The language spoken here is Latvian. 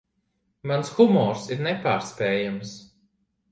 Mans humors ir nepārspējams.